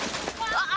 あっ！！